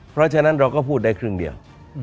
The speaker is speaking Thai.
เพราะฉะนั้นเราก็พูดได้ครึ่งเดียว